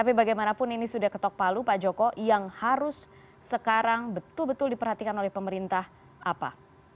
pak joko yang harus sekarang betul betul diperhatikan oleh pemerintah apa